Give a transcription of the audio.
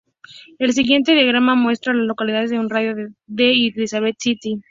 El siguiente diagrama muestra a las localidades en un radio de de Elizabeth City.